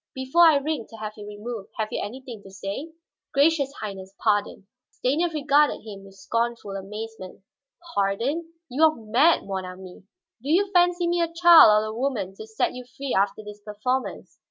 "Before I ring to have you removed, have you anything to say?" "Gracious Highness, pardon!" Stanief regarded him with scornful amazement. "Pardon? You are mad, mon ami. Do you fancy me a child or a woman to set you free after this performance?